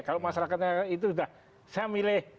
kalau masyarakatnya itu sudah saya milih